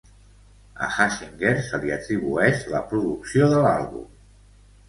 A Hassinger se li atribueix la producció de l'àlbum.